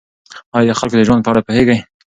آیا د خلکو د ژوند په اړه پوهېږئ؟